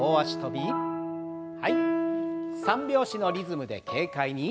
３拍子のリズムで軽快に。